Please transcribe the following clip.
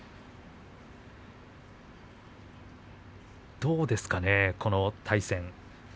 どうですかね、この対戦。